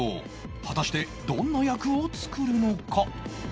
果たしてどんな役を作るのか？